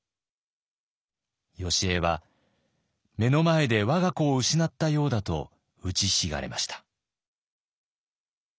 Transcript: よしえは目の前でわが子を失ったようだと打ちひしがれました。